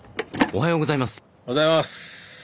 おはようございます。